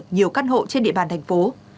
nhiều căn hộ trên địa bàn tp